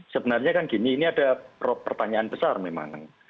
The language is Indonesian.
sebenarnya kan gini ini ada pertanyaan besar memang